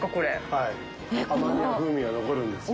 はい、甘みや風味が残るんですよ。